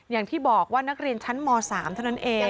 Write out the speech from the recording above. อย่างที่บอกว่านักเรียนชั้นม๓เท่านั้นเอง